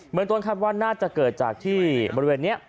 เหมือนตรงค้างวันน่าจะเกิดจากที่เมื่อเวรนี้